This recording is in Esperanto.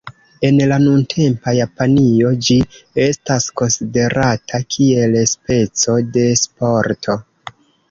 En la nuntempa Japanio ĝi estas konsiderata kiel speco de sporto.